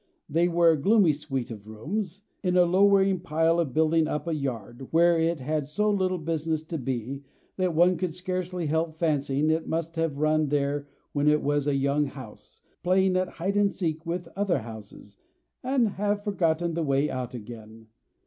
They were a gloomy suite of rooms, in a lowering pile of building up a yard, where it had so little business to be, that one could scarcely help fancying it must have run there when it was a young house, playing at hide and seek with other houses, and have forgotten the way out again.